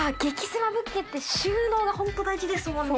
セマ物件って収納が本当大事ですもんね。